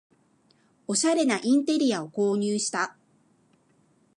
おしゃれなインテリアを購入した